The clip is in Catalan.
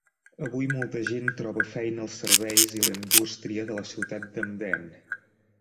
Avui molta gent troba feina als serveis i la indústria de la ciutat d'Emden.